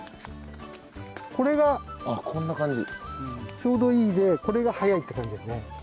ちょうどいいでこれが早いって感じですね。